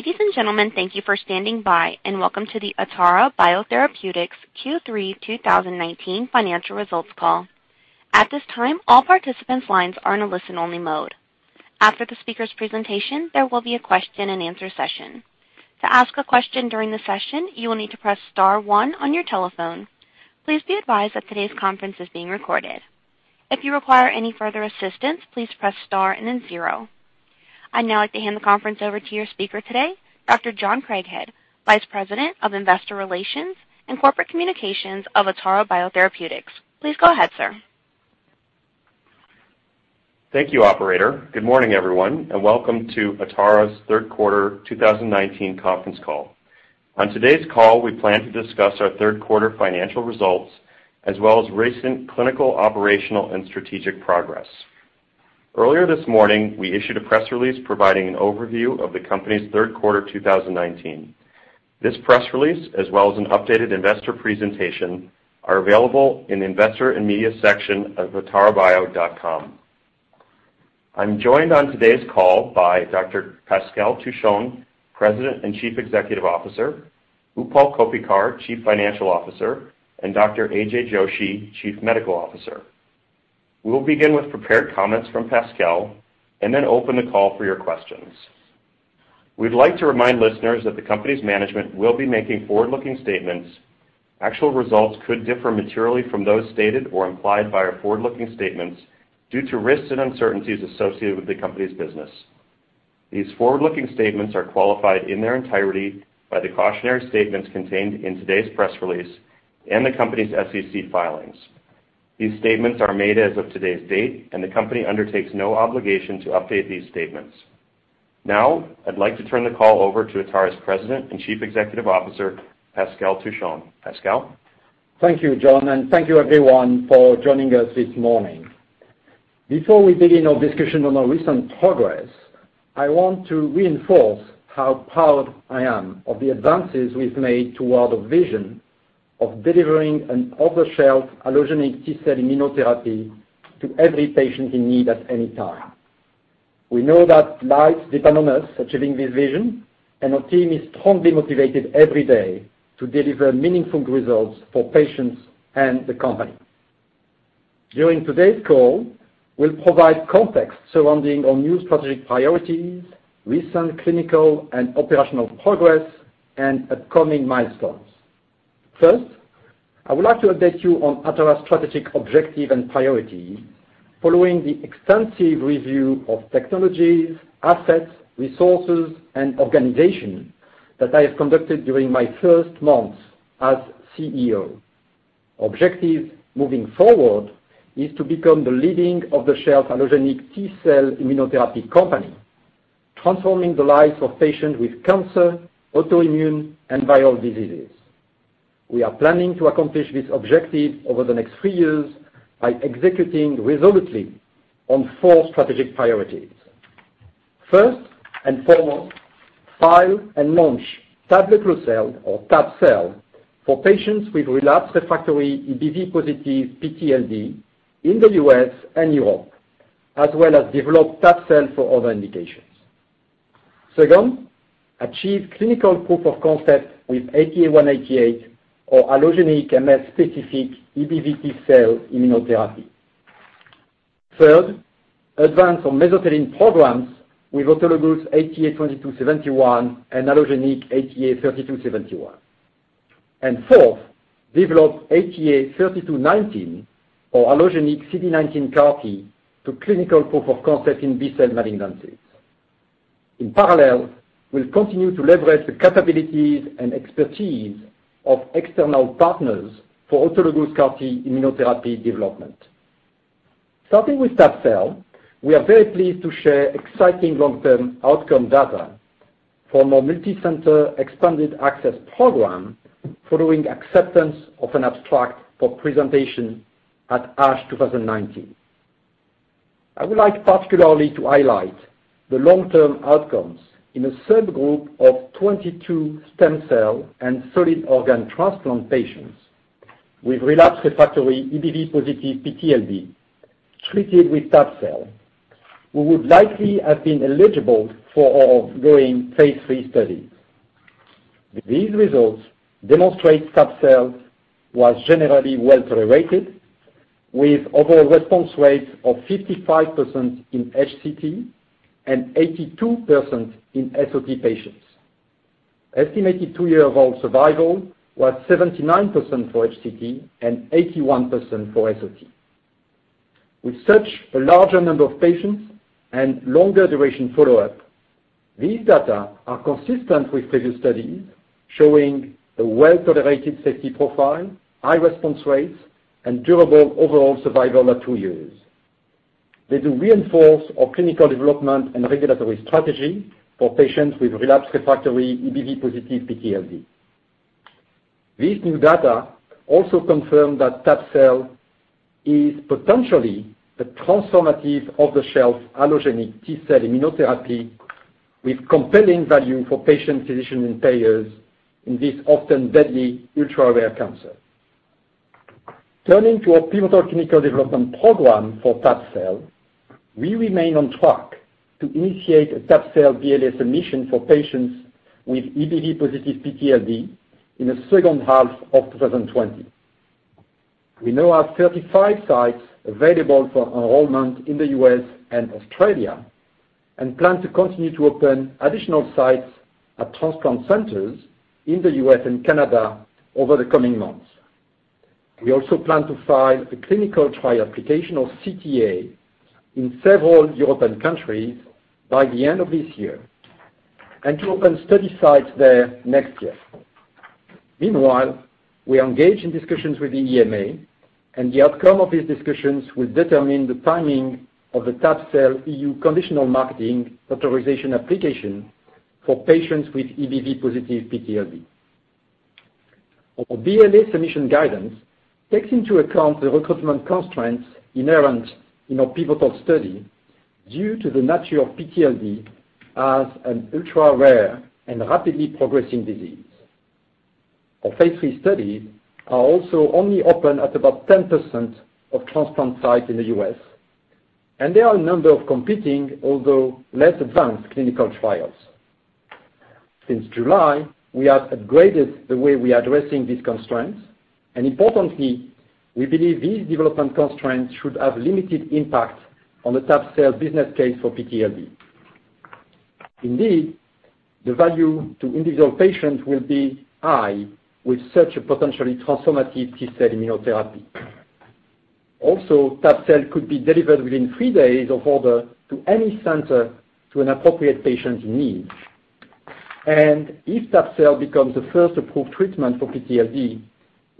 Ladies and gentlemen, thank you for standing by, and welcome to the Atara Biotherapeutics Q3 2019 financial results call. At this time, all participants' lines are in a listen-only mode. After the speaker's presentation, there will be a question and answer session. To ask a question during the session, you will need to press star one on your telephone. Please be advised that today's conference is being recorded. If you require any further assistance, please press star and then zero. I'd now like to hand the conference over to your speaker today, Dr. John Craighead, Vice President of Investor Relations and Corporate Communications of Atara Biotherapeutics. Please go ahead, sir. Thank you, operator. Good morning, everyone, and welcome to Atara's third quarter 2019 conference call. On today's call, we plan to discuss our third quarter financial results, as well as recent clinical, operational, and strategic progress. Earlier this morning, we issued a press release providing an overview of the company's third quarter 2019. This press release, as well as an updated investor presentation, are available in the investor and media section of atarabio.com. I'm joined on today's call by Dr. Pascal Touchon, president and chief executive officer, Utpal Koppikar, chief financial officer, and Dr. AJ Joshi, chief medical officer. We'll begin with prepared comments from Pascal, and then open the call for your questions. We'd like to remind listeners that the company's management will be making forward-looking statements. Actual results could differ materially from those stated or implied by our forward-looking statements due to risks and uncertainties associated with the company's business. These forward-looking statements are qualified in their entirety by the cautionary statements contained in today's press release and the company's SEC filings. These statements are made as of today's date, and the company undertakes no obligation to update these statements. Now, I'd like to turn the call over to Atara's President and Chief Executive Officer, Pascal Touchon. Pascal? Thank you, John, and thank you, everyone, for joining us this morning. Before we begin our discussion on our recent progress, I want to reinforce how proud I am of the advances we've made toward a vision of delivering an off-the-shelf allogeneic T-cell immunotherapy to every patient in need at any time. We know that lives depend on us achieving this vision, and our team is strongly motivated every day to deliver meaningful results for patients and the company. During today's call, we will provide context surrounding our new strategic priorities, recent clinical and operational progress, and upcoming milestones. First, I would like to update you on Atara's strategic objective and priority following the extensive review of technologies, assets, resources, and organization that I have conducted during my first month as CEO. Objective moving forward is to become the leading off-the-shelf allogeneic T-cell immunotherapy company, transforming the lives of patients with cancer, autoimmune, and viral diseases. We are planning to accomplish this objective over the next three years by executing resolutely on four strategic priorities. First and foremost, file and launch tabelecleucel or tab-cel for patients with relapsed refractory EBV positive PTLD in the U.S. and Europe, as well as develop tab-cel for other indications. Second, achieve clinical proof of concept with ATA188 or allogeneic MS-specific EBV T-cell immunotherapy. Third, advance our mesothelin programs with autologous ATA2271 and allogeneic ATA3271. Fourth, develop ATA3219 or allogeneic CD19 CAR T to clinical proof of concept in B-cell malignancies. In parallel, we'll continue to leverage the capabilities and expertise of external partners for autologous CAR T immunotherapy development. Starting with tabelecleucel, we are very pleased to share exciting long-term outcome data from a multi-center expanded access program following acceptance of an abstract for presentation at ASH 2019. I would like particularly to highlight the long-term outcomes in a subgroup of 22 stem cell and solid organ transplant patients with relapsed refractory EBV positive PTLD treated with tabelecleucel, who would likely have been eligible for our ongoing phase III study. These results demonstrate tabelecleucel was generally well-tolerated, with overall response rates of 55% in HCT and 82% in SOT patients. Estimated two-year overall survival was 79% for HCT and 81% for SOT. With such a larger number of patients and longer duration follow-up, these data are consistent with previous studies showing a well-tolerated safety profile, high response rates, and durable overall survival at two years. They do reinforce our clinical development and regulatory strategy for patients with relapsed refractory EBV+ PTLD. These new data also confirm that tab-cel is potentially a transformative off-the-shelf allogeneic T-cell immunotherapy with compelling value for patient, physician, and payers in this often deadly ultra-rare cancer. Turning to our pivotal clinical development program for tab-cel, we remain on track to initiate a tab-cel BLA submission for patients with EBV+ PTLD in the second half of 2020. We now have 35 sites available for enrollment in the U.S. and Australia, and plan to continue to open additional sites at transplant centers in the U.S. and Canada over the coming months. We also plan to file the clinical trial application, or CTA, in several European countries by the end of this year, and to open study sites there next year. Meanwhile, we are engaged in discussions with the EMA. The outcome of these discussions will determine the timing of the tabelecleucel EU conditional marketing authorization application for patients with EBV positive PTLD. Our BLA submission guidance takes into account the recruitment constraints inherent in our pivotal study due to the nature of PTLD as an ultra-rare and rapidly progressing disease. Our phase III studies are also only open at about 10% of transplant sites in the U.S. There are a number of competing, although less advanced, clinical trials. Since July, we have upgraded the way we are addressing these constraints. Importantly, we believe these development constraints should have limited impact on the tabelecleucel business case for PTLD. Indeed, the value to individual patients will be high with such a potentially transformative T-cell immunotherapy. tab-cel could be delivered within three days of order to any center to an appropriate patient's need. If tab-cel becomes the first approved treatment for PTLD,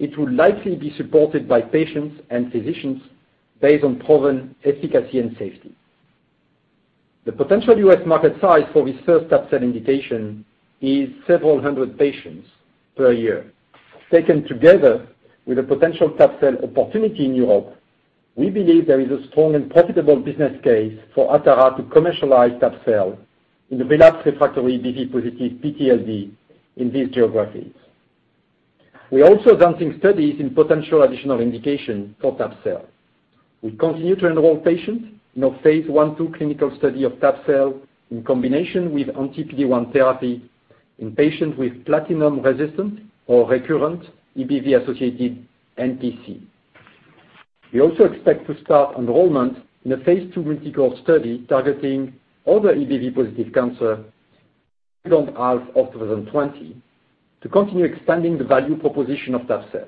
it will likely be supported by patients and physicians based on proven efficacy and safety. The potential U.S. market size for this first tab-cel indication is several hundred patients per year. Taken together with a potential tab-cel opportunity in Europe, we believe there is a strong and profitable business case for Atara to commercialize tab-cel in the relapsed refractory EBV positive PTLD in these geographies. We're also advancing studies in potential additional indication for tab-cel. We continue to enroll patients in our phase I-II clinical study of tab-cel in combination with anti-PD-1 therapy in patients with platinum-resistant or recurrent EBV-associated NPC. We also expect to start enrollment in a phase II clinical study targeting other EBV-positive cancer in the second half of 2020 to continue expanding the value proposition of tab-cel.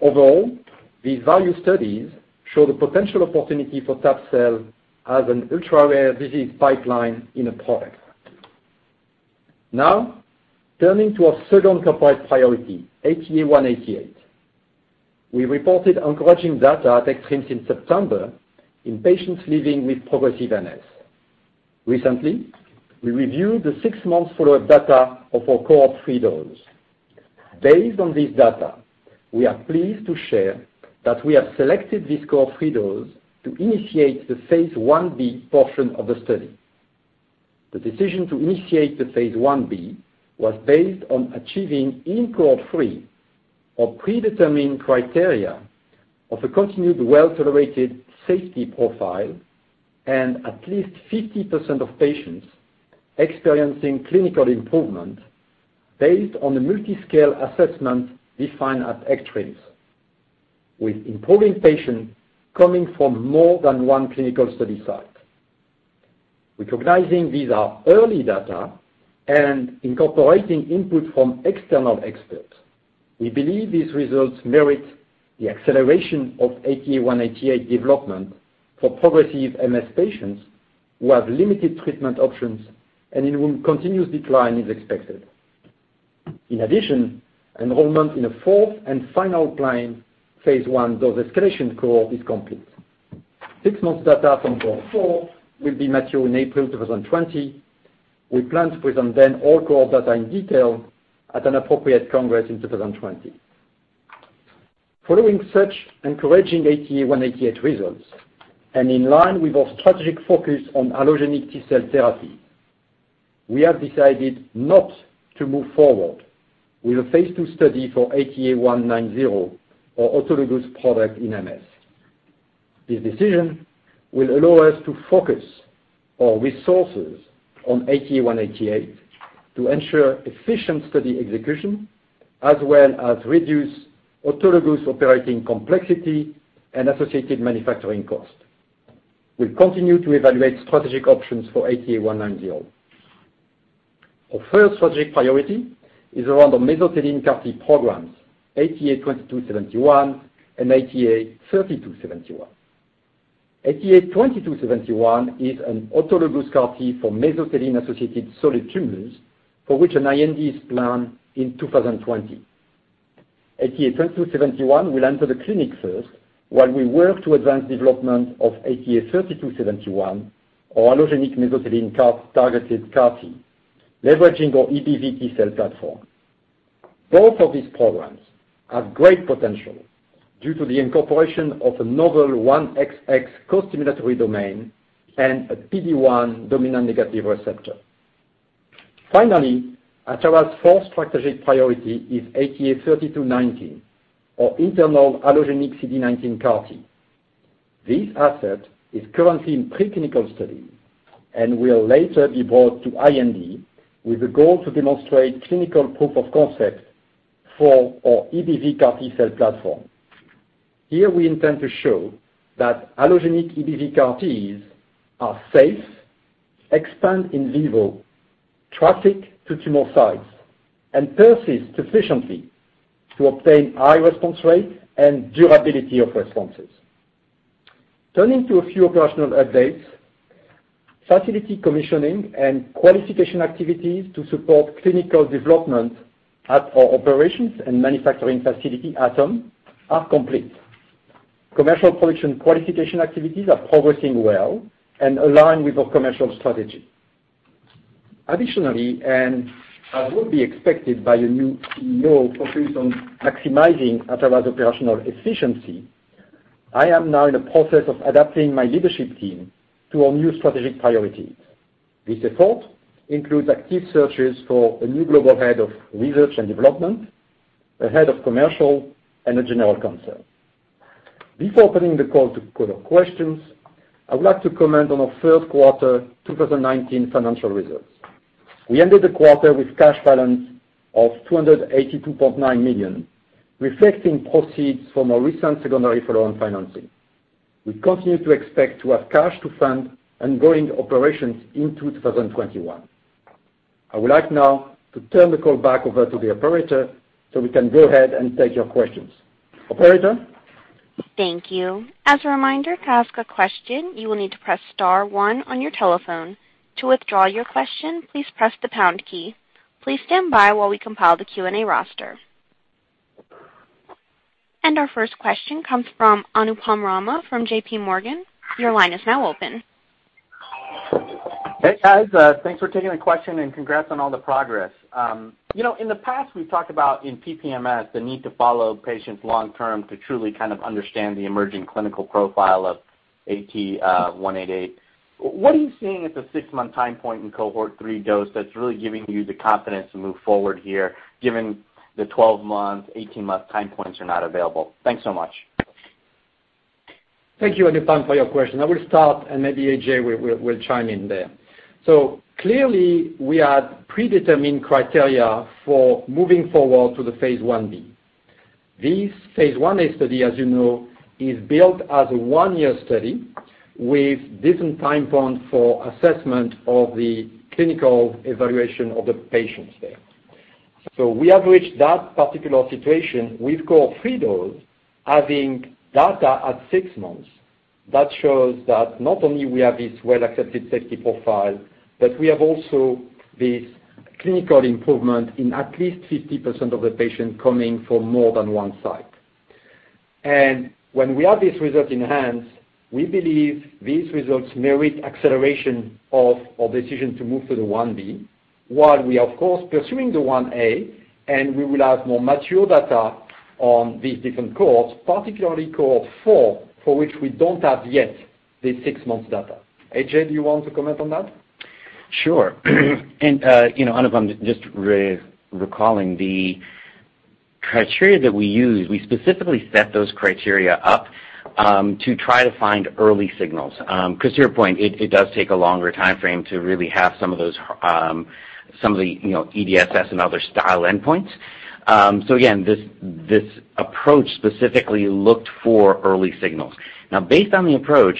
Overall, these value studies show the potential opportunity for tab-cel as an ultra-rare disease pipeline in a product. Turning to our second corporate priority, ATA188. We reported encouraging data at ECTRIMS in September in patients living with progressive MS. Recently, we reviewed the 6-month follow-up data of our cohort 3 dose. Based on this data, we are pleased to share that we have selected this cohort 3 dose to initiate the phase I-B portion of the study. The decision to initiate the phase I-B was based on achieving in cohort 3 our predetermined criteria of a continued well-tolerated safety profile and at least 50% of patients experiencing clinical improvement based on the multi-scale assessment defined at ECTRIMS, with improving patients coming from more than one clinical study site. Recognizing these are early data and incorporating input from external experts, we believe these results merit the acceleration of ATA188 development for progressive MS patients who have limited treatment options and in whom continuous decline is expected. Enrollment in a fourth and final planned phase I dose escalation cohort is complete. Six months data from cohort 4 will be mature in April 2020. We plan to present then all cohort data in detail at an appropriate congress in 2020. Following such encouraging ATA188 results, in line with our strategic focus on allogeneic T-cell therapy, we have decided not to move forward with a phase II study for ATA190 or autologous product in MS. This decision will allow us to focus our resources on ATA188 to ensure efficient study execution as well as reduce autologous operating complexity and associated manufacturing cost. We'll continue to evaluate strategic options for ATA190. Our third strategic priority is around the mesothelin CAR T programs, ATA2271 and ATA3271. ATA2271 is an autologous CAR T for mesothelin-associated solid tumors, for which an IND is planned in 2020. ATA2271 will enter the clinic first while we work to advance development of ATA3271, our allogeneic mesothelin targeted CAR T, leveraging our EBV-T cell platform. Both of these programs have great potential due to the incorporation of a novel 1XX costimulatory domain and a PD-1 dominant negative receptor. Finally, Atara's fourth strategic priority is ATA3219, our internal allogeneic CD19 CAR T. This asset is currently in preclinical study and will later be brought to IND with the goal to demonstrate clinical proof of concept for our EBV CAR T-cell platform. Here we intend to show that allogeneic EBV CAR Ts are safe, expand in vivo, traffic to tumor sites, and persist sufficiently to obtain high response rate and durability of responses. Turning to a few operational updates, facility commissioning and qualification activities to support clinical development at our operations and manufacturing facility, ATOM, are complete. Commercial production qualification activities are progressing well and align with our commercial strategy. As would be expected by a new CEO focused on maximizing Atara's operational efficiency, I am now in the process of adapting my leadership team to our new strategic priorities. This effort includes active searches for a new global head of research and development, a head of commercial, and a general counsel. Before opening the call to questions, I would like to comment on our third quarter 2019 financial results. We ended the quarter with cash balance of $282.9 million, reflecting proceeds from our recent secondary follow-on financing. We continue to expect to have cash to fund ongoing operations into 2021. I would like now to turn the call back over to the operator so we can go ahead and take your questions. Operator? Thank you. As a reminder, to ask a question, you will need to press star one on your telephone. To withdraw your question, please press the pound key. Please stand by while we compile the Q&A roster. Our first question comes from Anupam Rama from JP Morgan. Your line is now open. Hey, guys. Thanks for taking the question. Congrats on all the progress. In the past, we've talked about, in PPMS, the need to follow patients long-term to truly kind of understand the emerging clinical profile of ATA188. What are you seeing at the six-month time point in cohort 3 dose that's really giving you the confidence to move forward here, given the 12-month, 18-month time points are not available? Thanks so much. Thank you, Anupam, for your question. I will start, and maybe AJ will chime in there. Clearly, we had predetermined criteria for moving forward to the phase I-B. This phase I-A study, as you know, is built as a one-year study with different time points for assessment of the clinical evaluation of the patients there. We have reached that particular situation with cohort 3 dose, having data at six months that shows that not only we have this well-accepted safety profile, but we have also this clinical improvement in at least 50% of the patients coming from more than one site. When we have this result in hand, we believe these results merit acceleration of our decision to move to the phase I-B while we are, of course, pursuing the phase I-A, and we will have more mature data on these different cohorts, particularly cohort four, for which we don't have yet the six months data. AJ, do you want to comment on that? Sure. Anupam, just recalling the criteria that we used, we specifically set those criteria up to try to find early signals. To your point, it does take a longer timeframe to really have some of the EDSS and other style endpoints. Again, this approach specifically looked for early signals. Now, based on the approach,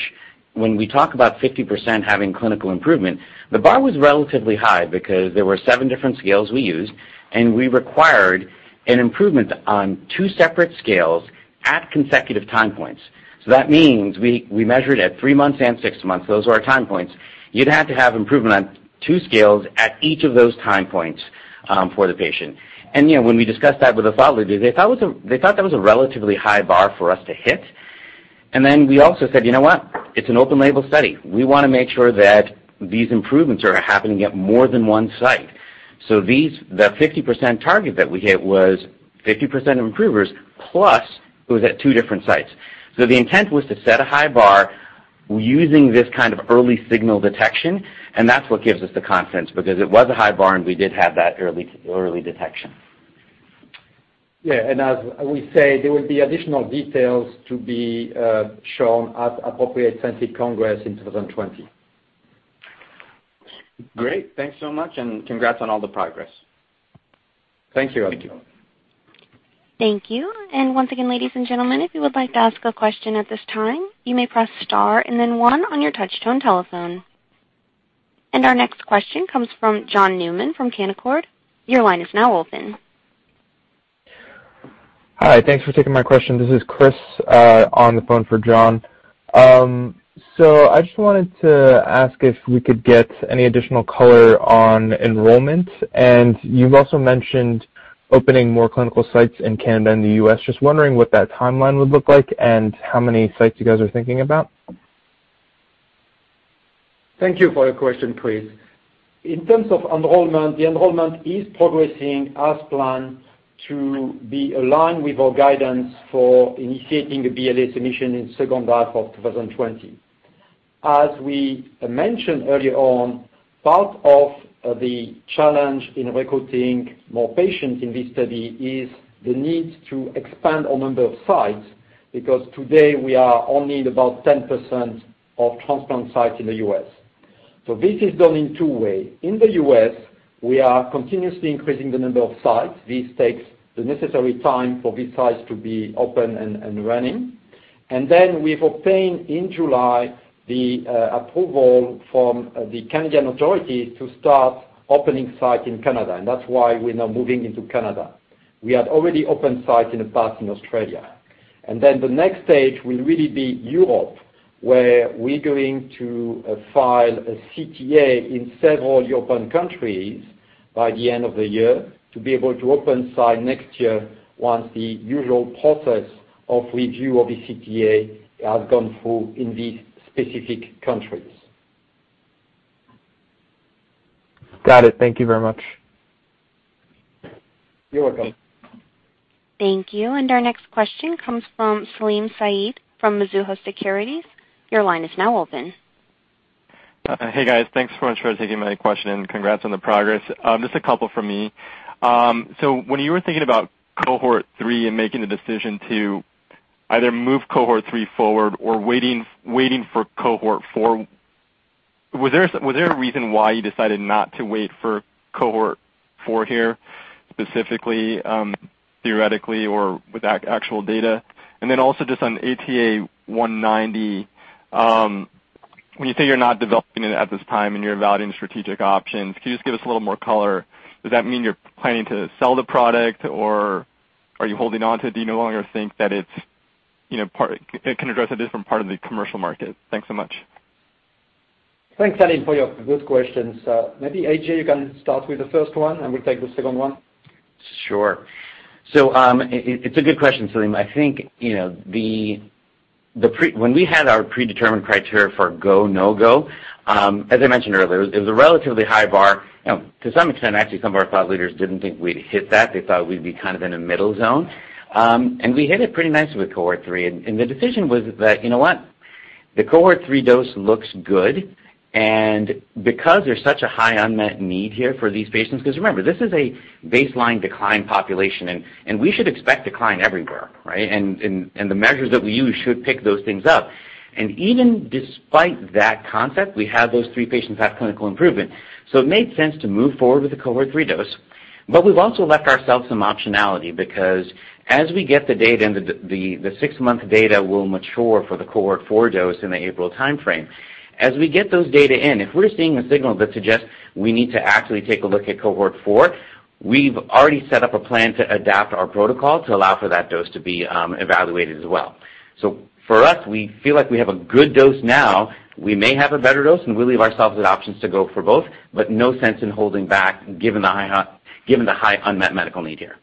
when we talk about 50% having clinical improvement, the bar was relatively high because there were seven different scales we used, and we required an improvement on two separate scales at consecutive time points. That means we measured at three months and six months. Those were our time points. You'd have to have improvement on two scales at each of those time points for the patient. When we discussed that with the thought leaders, they thought that was a relatively high bar for us to hit. We also said, "You know what? It's an open label study. We want to make sure that these improvements are happening at more than one site." The 50% target that we hit was 50% improvers, plus it was at two different sites. The intent was to set a high bar using this kind of early signal detection, and that's what gives us the confidence, because it was a high bar, and we did have that early detection. Yeah. As we say, there will be additional details to be shown at appropriate scientific congress in 2020. Great. Thanks so much, and congrats on all the progress. Thank you, Anupam. Thank you. Once again, ladies and gentlemen, if you would like to ask a question at this time, you may press star and then one on your touch tone telephone. Our next question comes from John Newman from Canaccord. Your line is now open. Hi. Thanks for taking my question. This is Chris on the phone for John. I just wanted to ask if we could get any additional color on enrollment. You've also mentioned opening more clinical sites in Canada and the U.S. Just wondering what that timeline would look like and how many sites you guys are thinking about. Thank you for your question, Chris. In terms of enrollment, the enrollment is progressing as planned to be aligned with our guidance for initiating the BLA submission in second half of 2020. We mentioned earlier on, part of the challenge in recruiting more patients in this study is the need to expand our number of sites, because today we are only in about 10% of transplant sites in the U.S. This is done in two ways. In the U.S., we are continuously increasing the number of sites. This takes the necessary time for these sites to be open and running. We've obtained, in July, the approval from the Canadian authorities to start opening sites in Canada, and that's why we're now moving into Canada. We had already opened sites in the past in Australia. The next stage will really be Europe, where we're going to file a CTA in several European countries by the end of the year to be able to open site next year once the usual process of review of the CTA has gone through in these specific countries. Got it. Thank you very much. You're welcome. Thank you. Our next question comes from Salim Syed from Mizuho Securities. Your line is now open. Hey, guys. Thanks so much for taking my question, and congrats on the progress. Just a couple from me. When you were thinking about Cohort 3 and making the decision to either move Cohort 3 forward or waiting for Cohort 4, was there a reason why you decided not to wait for Cohort 4 here, specifically, theoretically, or with actual data? Also just on ATA190, when you say you're not developing it at this time and you're evaluating strategic options, can you just give us a little more color? Does that mean you're planning to sell the product, or are you holding on to it? Do you no longer think that it can address a different part of the commercial market? Thanks so much. Thanks, Salim, for your good questions. Maybe, AJ, you can start with the first one, and we'll take the second one. Sure. It's a good question, Salim. I think when we had our predetermined criteria for go, no go, as I mentioned earlier, it was a relatively high bar. To some extent, actually, some of our thought leaders didn't think we'd hit that. They thought we'd be kind of in a middle zone. We hit it pretty nicely with Cohort 3. The decision was that, you know what? The Cohort 3 dose looks good. Because there's such a high unmet need here for these patients, remember, this is a baseline decline population, and we should expect decline everywhere, right? The measures that we use should pick those things up. Even despite that concept, we have those three patients have clinical improvement. It made sense to move forward with the Cohort 3 dose. We've also left ourselves some optionality because as we get the data, and the six-month data will mature for the Cohort 4 dose in the April timeframe. As we get those data in, if we're seeing a signal that suggests we need to actually take a look at Cohort 4, we've already set up a plan to adapt our protocol to allow for that dose to be evaluated as well. For us, we feel like we have a good dose now. We may have a better dose, and we leave ourselves with options to go for both, but no sense in holding back given the high unmet medical need here.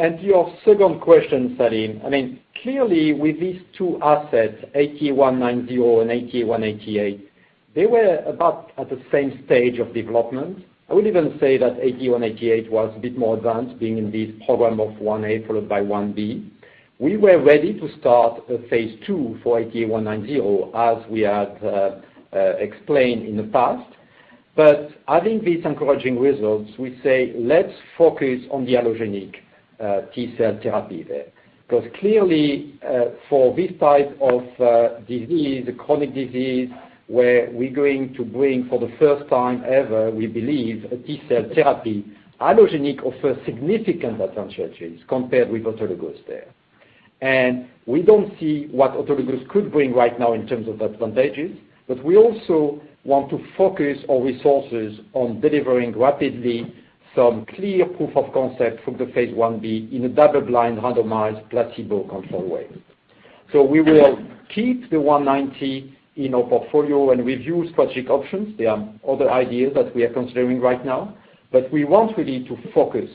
To your second question, Salim. Clearly, with these two assets, ATA190 and ATA188, they were about at the same stage of development. I would even say that ATA188 was a bit more advanced, being in this program of phase I-A followed by phase I-B. We were ready to start phase II for ATA190, as we had explained in the past. Having these encouraging results, we say, let's focus on the allogeneic T-cell therapy there. Clearly, for this type of disease, a chronic disease, where we're going to bring, for the first time ever, we believe, a T-cell therapy, allogeneic offers significant advantage compared with autologous there. We don't see what autologous could bring right now in terms of advantages, but we also want to focus our resources on delivering rapidly some clear proof of concept from the phase I-B in a double-blind, randomized, placebo-controlled way. We will keep the ATA190 in our portfolio and review strategic options. There are other ideas that we are considering right now, but we want really to focus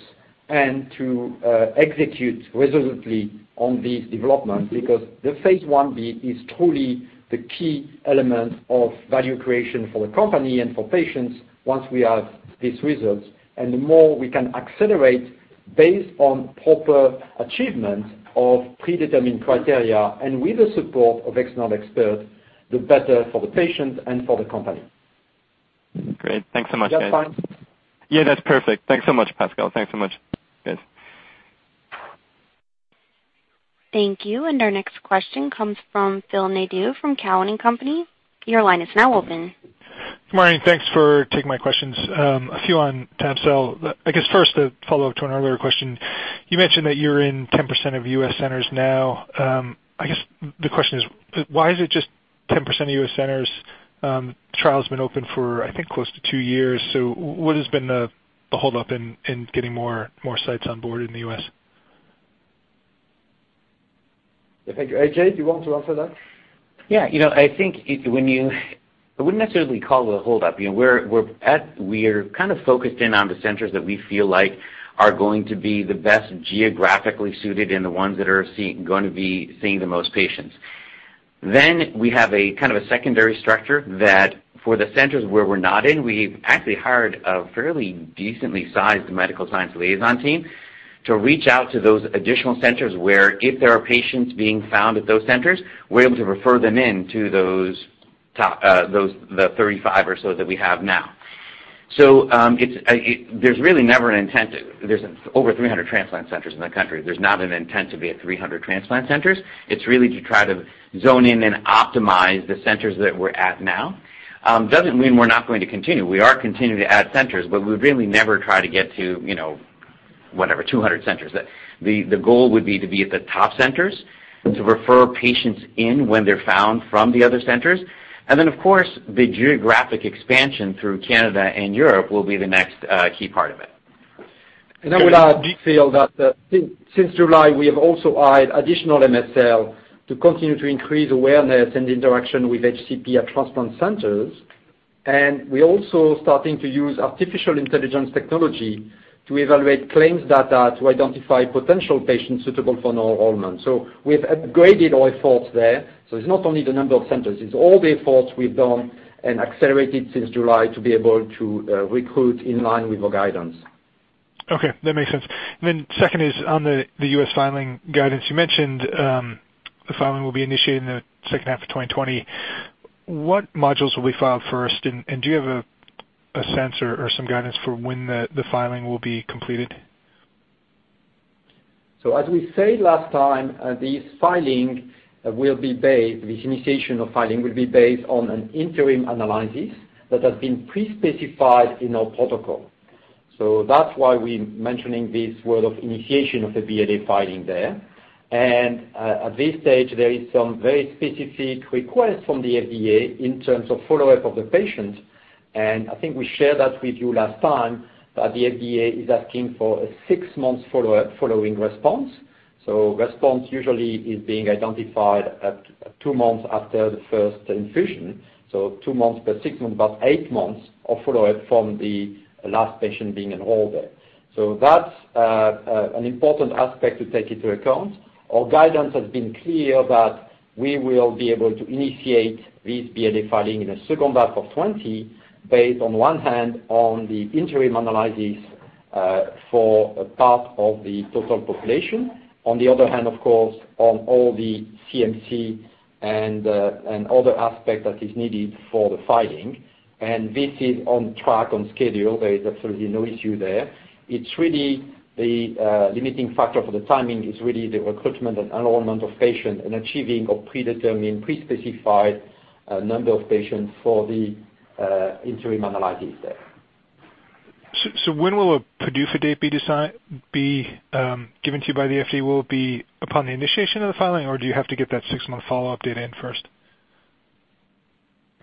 and to execute resolutely on this development because the phase I-B is truly the key element of value creation for the company and for patients once we have these results. The more we can accelerate based on proper achievement of predetermined criteria and with the support of external experts, the better for the patient and for the company. Great. Thanks so much, guys. Yeah, fine. Yeah, that's perfect. Thanks so much, Pascal. Thanks so much, guys. Thank you. Our next question comes from Phil Nadeau from Cowen and Company. Your line is now open. Good morning. Thanks for taking my questions. A few on tab-cel. I guess first, a follow-up to an earlier question. You mentioned that you're in 10% of U.S. centers now. I guess the question is, why is it just 10% of U.S. centers? Trial's been open for, I think, close to two years, so what has been the hold-up in getting more sites on board in the U.S.? Yeah, thank you. AJ, do you want to answer that? Yeah. I think I wouldn't necessarily call it a hold-up. We are kind of focused in on the centers that we feel like are going to be the best geographically suited and the ones that are going to be seeing the most patients. We have a kind of a secondary structure that for the centers where we're not in, we've actually hired a fairly decently sized medical science liaison team to reach out to those additional centers where if there are patients being found at those centers, we're able to refer them in to the 35 or so that we have now. There's over 300 transplant centers in the country. There's not an intent to be at 300 transplant centers. It's really to try to zone in and optimize the centers that we're at now. Doesn't mean we're not going to continue. We are continuing to add centers, but we'd really never try to get to, whatever, 200 centers. The goal would be to be at the top centers, to refer patients in when they're found from the other centers. Of course, the geographic expansion through Canada and Europe will be the next key part of it. I would add, Phil, that since July, we have also added additional MSL to continue to increase awareness and interaction with HCP at transplant centers. We're also starting to use artificial intelligence technology to evaluate claims data to identify potential patients suitable for non-enrollment. We've upgraded our efforts there. It's not only the number of centers, it's all the efforts we've done and accelerated since July to be able to recruit in line with our guidance. Okay, that makes sense. Second is on the U.S. filing guidance. You mentioned the filing will be initiated in the second half of 2020. What modules will be filed first? Do you have a sense or some guidance for when the filing will be completed? As we said last time, this initiation of filing will be based on an interim analysis that has been pre-specified in our protocol. That's why we're mentioning this word of initiation of the BLA filing there. At this stage, there is some very specific requests from the FDA in terms of follow-up of the patient. I think we shared that with you last time, that the FDA is asking for a 6 months following response. Response usually is being identified at 2 months after the first infusion. 2 months plus 6 months, about 8 months of follow-up from the last patient being enrolled there. That's an important aspect to take into account. Our guidance has been clear that we will be able to initiate this BLA filing in the second half of 2020, based on one hand on the interim analysis for part of the total population. On the other hand, of course, on all the CMC and other aspect that is needed for the filing. This is on track, on schedule. There is absolutely no issue there. The limiting factor for the timing is really the recruitment and enrollment of patients and achieving a predetermined, pre-specified number of patients for the interim analysis there. When will a PDUFA date be given to you by the FDA? Will it be upon the initiation of the filing, or do you have to get that six-month follow-up data in first?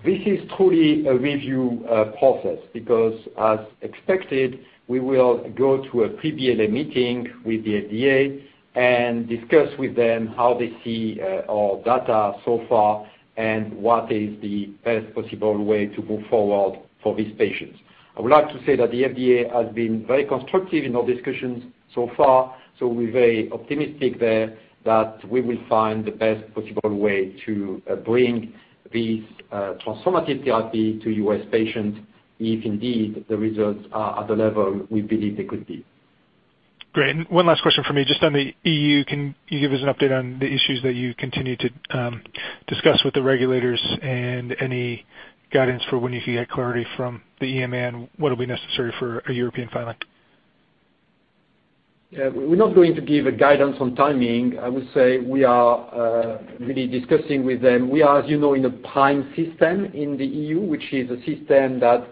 This is truly a review process because as expected, we will go to a Pre-BLA meeting with the FDA and discuss with them how they see our data so far and what is the best possible way to move forward for these patients. I would like to say that the FDA has been very constructive in our discussions so far. We're very optimistic there that we will find the best possible way to bring this transformative therapy to U.S. patients if indeed the results are at the level we believe they could be. Great. One last question from me. Just on the EU, can you give us an update on the issues that you continue to discuss with the regulators and any guidance for when you can get clarity from the EMA and what will be necessary for a European filing? Yeah. We're not going to give a guidance on timing. I would say we are really discussing with them. We are, as you know, in a PRIME system in the EU, which is a system that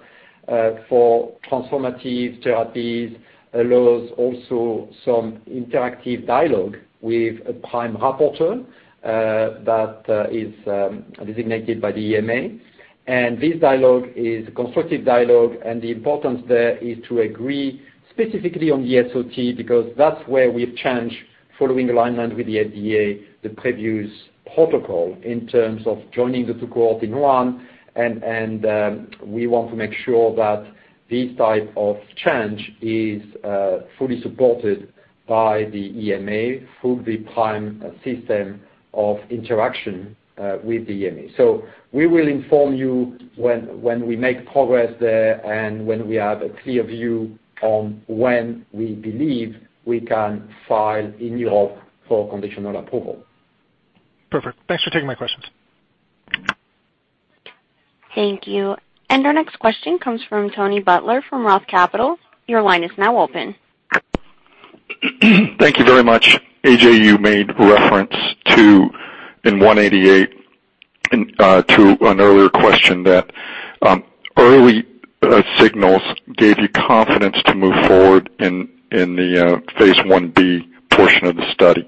for transformative therapies allows also some interactive dialogue with a PRIME rapporteur that is designated by the EMA. This dialogue is a constructive dialogue, and the importance there is to agree specifically on the SOT, because that's where we've changed following alignment with the FDA, the previous protocol in terms of joining the two cohort in one, and we want to make sure that this type of change is fully supported by the EMA through the PRIME system of interaction with the EMA. We will inform you when we make progress there and when we have a clear view on when we believe we can file in Europe for conditional approval. Perfect. Thanks for taking my questions. Thank you. Our next question comes from Tony Butler from Roth Capital. Your line is now open. Thank you very much. AJ, you made reference to ATA188 to an earlier question that early signals gave you confidence to move forward in the phase I-B portion of the study.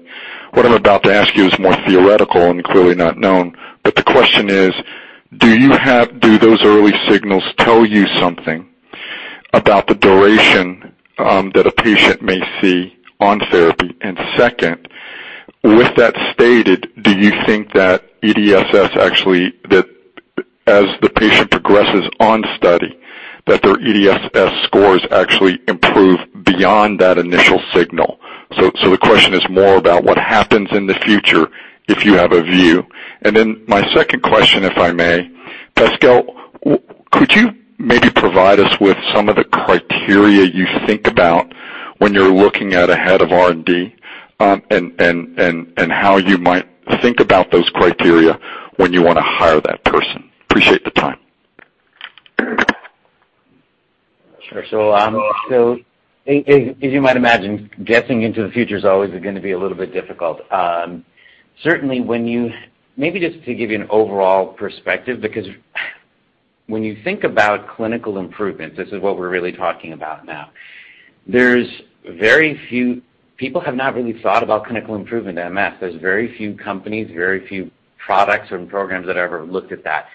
What I'm about to ask you is more theoretical and clearly not known, but the question is: do those early signals tell you something about the duration that a patient may see on therapy? Second, with that stated, do you think that as the patient progresses on study, that their EDSS scores actually improve beyond that initial signal? The question is more about what happens in the future if you have a view. My second question, if I may, Pascal, could you maybe provide us with some of the criteria you think about when you're looking at a head of R&D? How you might think about those criteria when you want to hire that person? Appreciate the time. Sure. As you might imagine, guessing into the future is always going to be a little bit difficult. Maybe just to give you an overall perspective, because when you think about clinical improvements, this is what we're really talking about now. People have not really thought about clinical improvement in MS. There's very few companies, very few products or programs that have ever looked at that.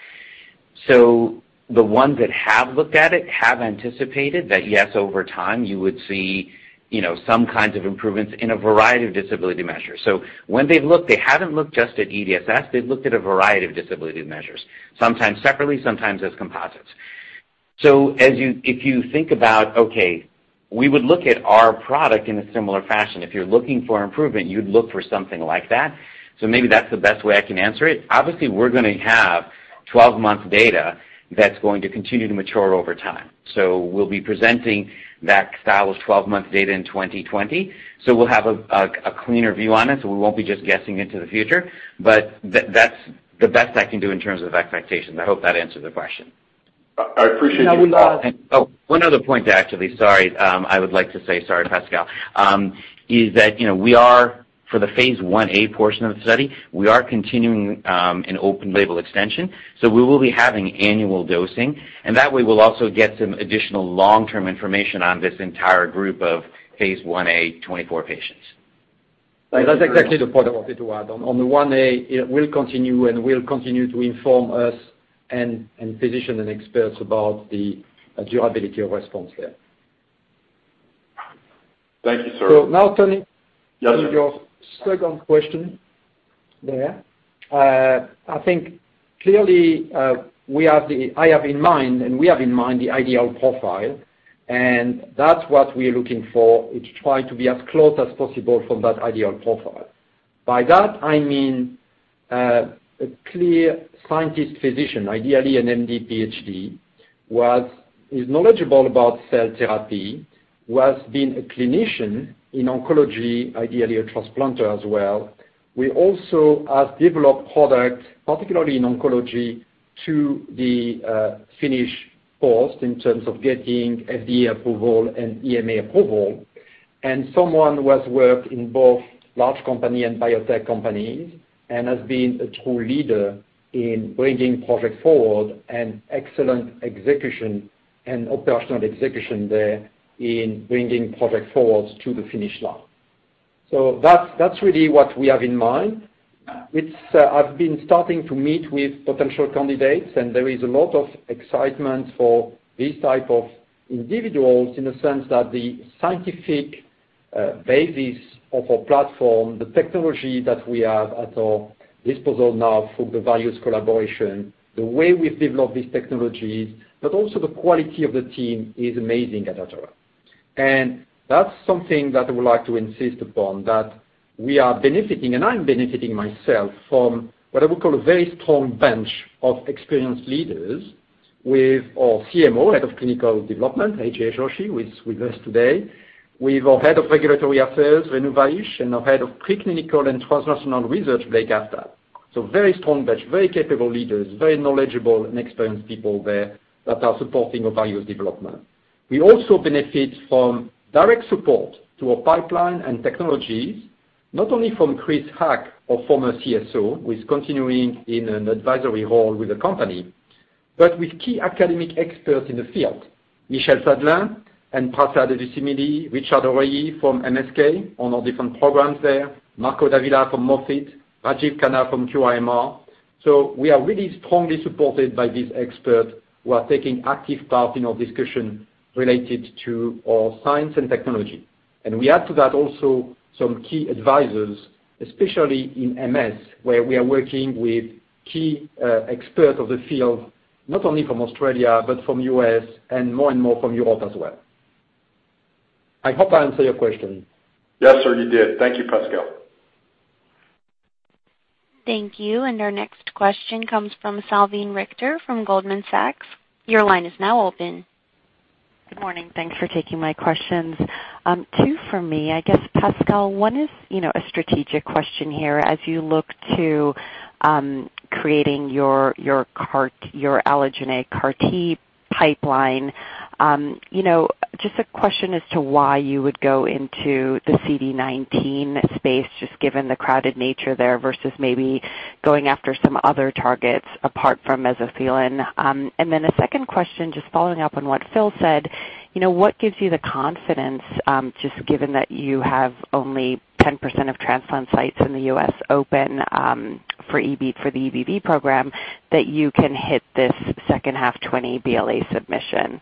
The ones that have looked at it have anticipated that, yes, over time, you would see some kinds of improvements in a variety of disability measures. When they've looked, they haven't looked just at EDSS, they've looked at a variety of disability measures, sometimes separately, sometimes as composites. If you think about, okay, we would look at our product in a similar fashion. If you're looking for improvement, you'd look for something like that. Maybe that's the best way I can answer it. Obviously, we're going to have 12 months of data that's going to continue to mature over time. We'll be presenting that style of 12-month data in 2020. We'll have a cleaner view on it, so we won't be just guessing into the future. That's the best I can do in terms of expectations. I hope that answered the question. I appreciate you. One other point, actually. Sorry. I would like to say sorry, Pascal. Is that, for the phase I-A portion of the study, we are continuing an open label extension. We will be having annual dosing, and that way we'll also get some additional long-term information on this entire group of phase I-A, 24 patients. That's exactly the point I wanted to add. On the 1-A, it will continue and will continue to inform us and physician and experts about the durability of response there. Thank you, sir. Now, Tony. Yes, sir. On your second question there. I think clearly, I have in mind, and we have in mind the ideal profile, and that's what we are looking for, is to try to be as close as possible from that ideal profile. By that I mean, a clear scientist physician, ideally an MD PhD, who is knowledgeable about cell therapy, who has been a clinician in oncology, ideally a transplanter as well. We also have developed products, particularly in oncology, to the finish post in terms of getting FDA approval and EMA approval. Someone who has worked in both large company and biotech companies and has been a true leader in bringing project forward and excellent execution and operational execution there in bringing project forward to the finish line. That's really what we have in mind. I've been starting to meet with potential candidates, there is a lot of excitement for these type of individuals in the sense that the scientific basis of our platform, the technology that we have at our disposal now through the various collaboration, the way we've developed these technologies, but also the quality of the team is amazing at Atara. That's something that I would like to insist upon, that we are benefiting, and I'm benefiting myself from what I would call a very strong bench of experienced leaders with our CMO, head of clinical development, AJ Joshi, who is with us today. We've our head of regulatory affairs, Renu Vaish, and our head of preclinical and translational research, Blake Aftab. A very strong bench, very capable leaders, very knowledgeable and experienced people there that are supporting our various development. We also benefit from direct support to our pipeline and technologies, not only from Christopher Haqq, our former CSO, who is continuing in an advisory role with the company, but with key academic experts in the field. Michel Sadelain and Prasad Adusumilli, Richard Andre from MSK on our different programs there, Marco Davila from Moffitt, Rajiv Khanna from QIMR. We are really strongly supported by these experts who are taking active part in our discussion related to our science and technology. We add to that also some key advisors, especially in MS, where we are working with key experts of the field, not only from Australia, but from U.S. and more and more from Europe as well. I hope I answered your question. Yes, sir, you did. Thank you, Pascal. Thank you. Our next question comes from Salveen Richter from Goldman Sachs. Your line is now open. Good morning. Thanks for taking my questions. Two from me, I guess, Pascal. One is a strategic question here. As you look to creating your allogeneic CAR T pipeline, just a question as to why you would go into the CD19 space, just given the crowded nature there, versus maybe going after some other targets apart from mesothelin. A second question, just following up on what Phil said. What gives you the confidence, just given that you have only 10% of transplant sites in the U.S. open for the EBV program, that you can hit this second half 2020 BLA submission?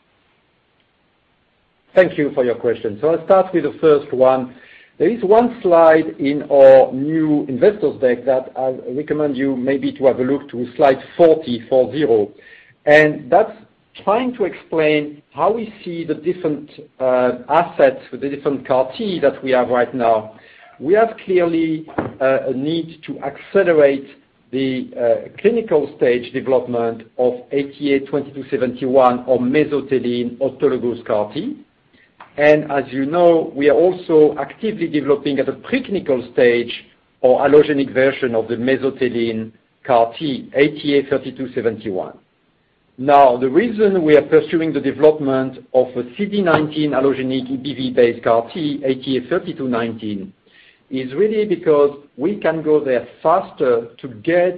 Thank you for your question. I'll start with the first one. There is one slide in our new investors deck that I recommend you maybe to have a look to, slide 40. That's trying to explain how we see the different assets for the different CAR T that we have right now. We have clearly a need to accelerate the clinical stage development of ATA2271 or mesothelin autologous CAR T. As you know, we are also actively developing at a preclinical stage our allogeneic version of the mesothelin CAR T, ATA3271. Now, the reason we are pursuing the development of a CD19 allogeneic EBV-based CAR T, ATA3219, is really because we can go there faster to get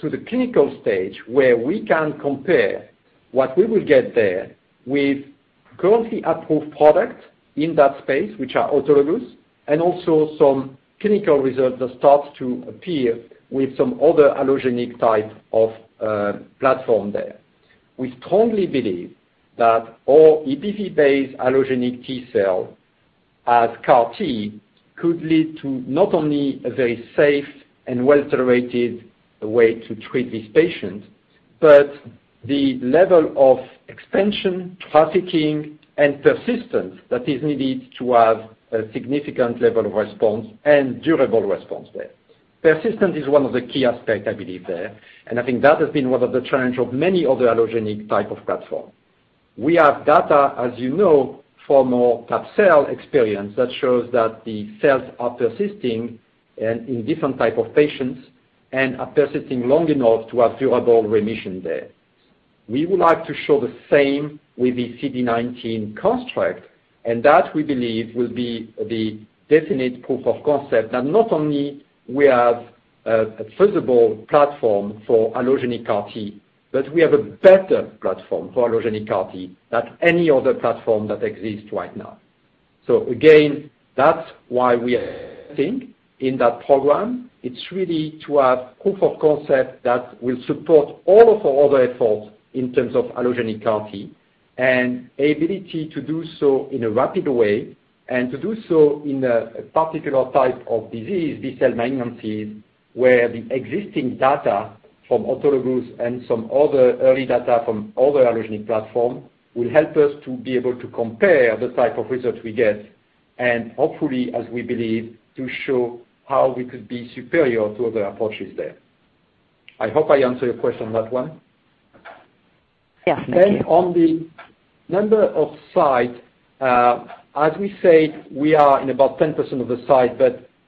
to the clinical stage, where we can compare what we will get there with currently approved products in that space, which are autologous. Also some clinical results that start to appear with some other allogeneic type of platform there. We strongly believe that our EBV-based allogeneic T-cell as CAR T could lead to not only a very safe and well-tolerated way to treat these patients, but the level of expansion, trafficking, and persistence that is needed to have a significant level of response and durable response there. Persistence is one of the key aspects, I believe there. I think that has been one of the challenges of many other allogeneic type of platform. We have data, as you know, from our tab-cel experience that shows that the cells are persisting and in different type of patients, and are persisting long enough to have durable remission there. We would like to show the same with the CD19 construct. That we believe will be the definite proof of concept that not only we have a feasible platform for allogeneic CAR T, but we have a better platform for allogeneic CAR T than any other platform that exists right now. Again, that's why we are in that program. It's really to have proof of concept that will support all of our other efforts in terms of allogeneic CAR T, and ability to do so in a rapid way, and to do so in a particular type of disease, B-cell malignancies, where the existing data from autologous and some other early data from other allogeneic platform will help us to be able to compare the type of results we get, and hopefully, as we believe, to show how we could be superior to other approaches there. I hope I answered your question on that one. Yes, thank you. On the number of sites, as we said, we are in about 10% of the sites.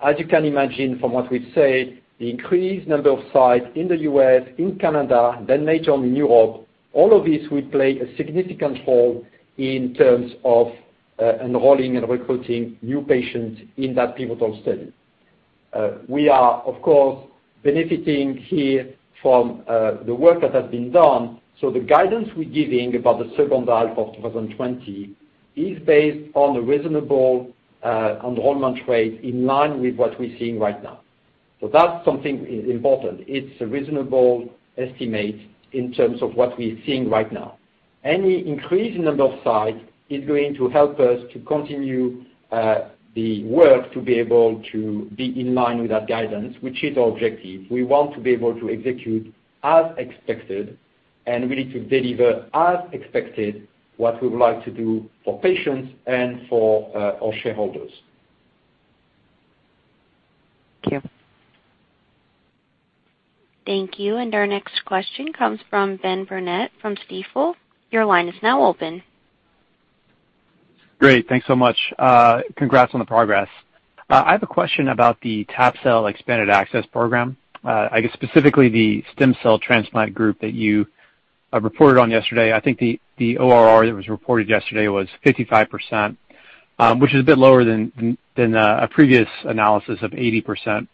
As you can imagine from what we've said, the increased number of sites in the U.S., in Canada, later on in Europe, all of this will play a significant role in terms of enrolling and recruiting new patients in that pivotal study. We are, of course, benefiting here from the work that has been done. The guidance we're giving about the second half of 2020 is based on a reasonable enrollment rate in line with what we're seeing right now. That's something important. It's a reasonable estimate in terms of what we're seeing right now. Any increase in number of sites is going to help us to continue the work to be able to be in line with that guidance, which is our objective. We want to be able to execute as expected, and really to deliver as expected, what we would like to do for patients and for our shareholders. Thank you. Thank you. Our next question comes from Ben Burnett from Stifel. Your line is now open. Great. Thanks so much. Congrats on the progress. I have a question about the tab-cel expanded access program. I guess specifically the stem cell transplant group that you reported on yesterday. I think the ORR that was reported yesterday was 55%, which is a bit lower than a previous analysis of 80%.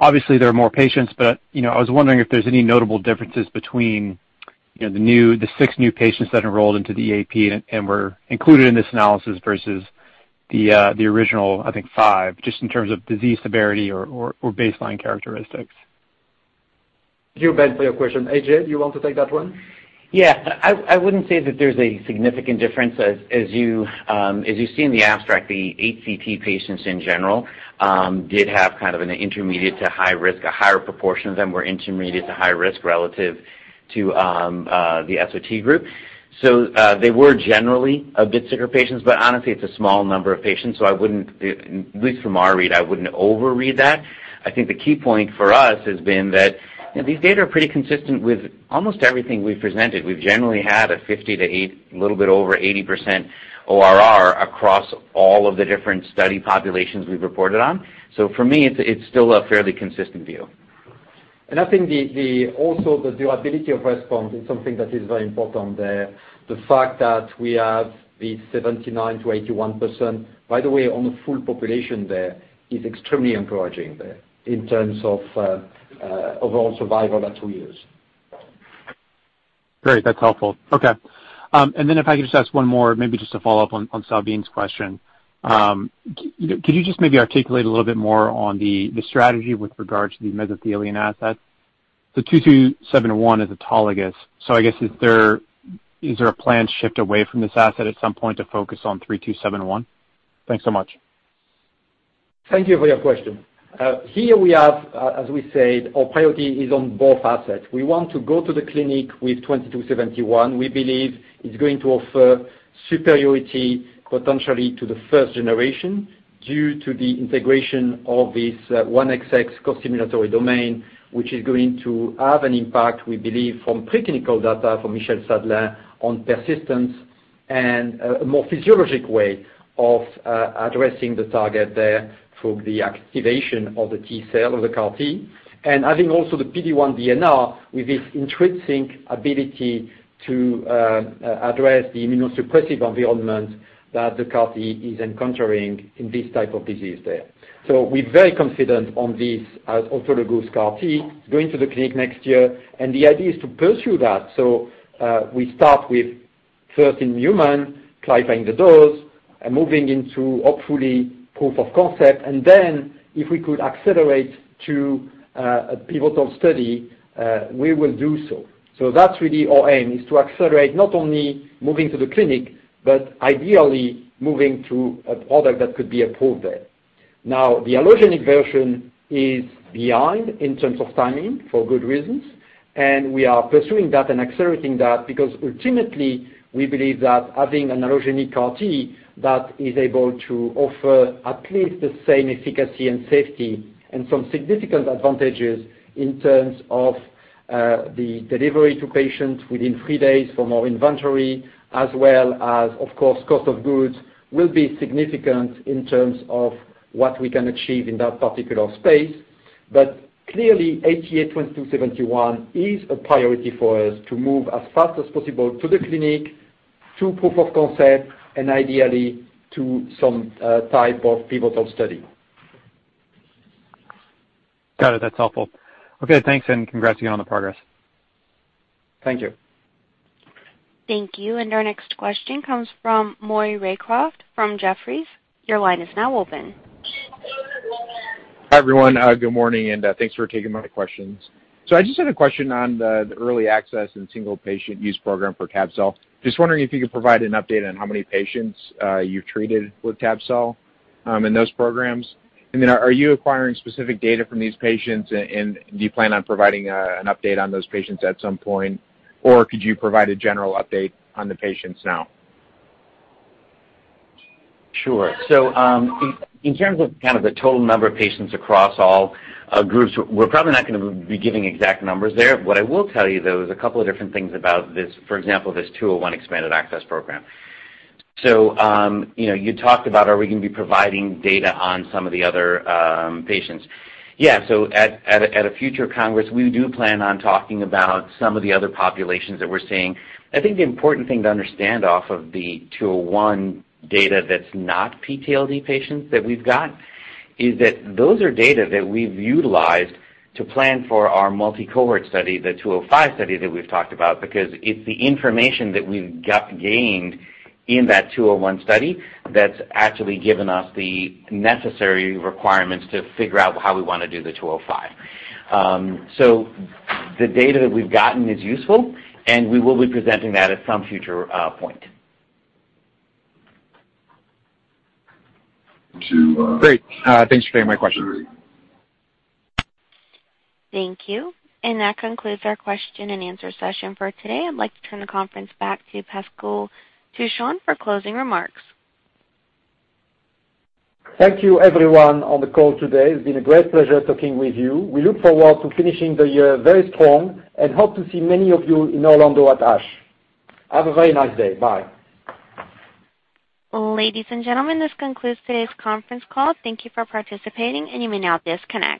Obviously, there are more patients, but I was wondering if there's any notable differences between the six new patients that enrolled into the EAP and were included in this analysis versus the original, I think five, just in terms of disease severity or baseline characteristics. Thank you, Ben, for your question. AJ, do you want to take that one? Yeah. I wouldn't say that there's a significant difference. As you see in the abstract, the HCT patients in general did have kind of an intermediate to high risk. A higher proportion of them were intermediate to high risk relative to the SOT group. They were generally a bit sicker patients, but honestly, it's a small number of patients, so at least from our read, I wouldn't overread that. I think the key point for us has been that these data are pretty consistent with almost everything we've presented. We've generally had a 50% to a little bit over 80% ORR across all of the different study populations we've reported on. For me, it's still a fairly consistent view. I think also the durability of response is something that is very important there. The fact that we have the 79%-81%, by the way, on the full population there, is extremely encouraging there in terms of overall survival at two years. Great. That's helpful. Okay. If I could just ask one more, maybe just to follow up on Salim's question. Could you just maybe articulate a little bit more on the strategy with regard to the mesothelin asset? ATA2271 is autologous, so I guess is there a planned shift away from this asset at some point to focus on ATA3271? Thanks so much. Thank you for your question. Here we have, as we said, our priority is on both assets. We want to go to the clinic with ATA2271. We believe it's going to offer superiority potentially to the first generation due to the integration of this 1XX costimulatory domain, which is going to have an impact, we believe, from preclinical data from Michel Sadelain on persistence. A more physiologic way of addressing the target there through the activation of the T cell of the CAR T. Adding also the PD-1 DNR with its intrinsic ability to address the immunosuppressive environment that the CAR T is encountering in this type of disease there. We're very confident on this as autologous CAR T. It's going to the clinic next year. The idea is to pursue that. We start with 13 human, titrating the dose, and moving into, hopefully, proof of concept. If we could accelerate to a pivotal study, we will do so. That's really our aim, is to accelerate not only moving to the clinic, but ideally moving to a product that could be approved there. The allogeneic version is behind in terms of timing, for good reasons, and we are pursuing that and accelerating that because ultimately, we believe that having an allogeneic CAR T that is able to offer at least the same efficacy and safety and some significant advantages in terms of the delivery to patients within three days from our inventory, as well as, of course, cost of goods will be significant in terms of what we can achieve in that particular space. Clearly, ATA2271 is a priority for us to move as fast as possible to the clinic, to proof of concept, and ideally, to some type of pivotal study. Got it. That's helpful. Okay, thanks. Congrats to you on the progress. Thank you. Thank you. Our next question comes from Maury Raycroft from Jefferies. Your line is now open. Hi, everyone. Good morning, and thanks for taking my questions. I just had a question on the early access and single-patient use program for tab-cel. Just wondering if you could provide an update on how many patients you've treated with tab-cel in those programs. Are you acquiring specific data from these patients, and do you plan on providing an update on those patients at some point? Could you provide a general update on the patients now? Sure. In terms of kind of the total number of patients across all groups, we're probably not going to be giving exact numbers there. What I will tell you, though, is a couple of different things about this, for example, this 201 Expanded Access Program. You talked about are we going to be providing data on some of the other patients. Yeah. At a future congress, we do plan on talking about some of the other populations that we're seeing. I think the important thing to understand off of the 201 data that's not PTLD patients that we've got is that those are data that we've utilized to plan for our multi-cohort study, the 205 study that we've talked about, because it's the information that we've gained in that 201 study that's actually given us the necessary requirements to figure out how we want to do the 205. The data that we've gotten is useful, and we will be presenting that at some future point. Great. Thanks for taking my question. Thank you. That concludes our question and answer session for today. I'd like to turn the conference back to Pascal Touchon for closing remarks. Thank you, everyone on the call today. It's been a great pleasure talking with you. We look forward to finishing the year very strong and hope to see many of you in Orlando at ASH. Have a very nice day. Bye. Ladies and gentlemen, this concludes today's conference call. Thank you for participating, and you may now disconnect.